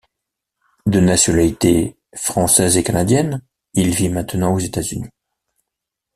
De nationalité française et canadienne, il vit maintenant aux États-Unis.